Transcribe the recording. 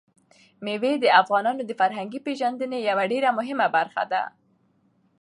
مېوې د افغانانو د فرهنګي پیژندنې یوه ډېره مهمه برخه ده.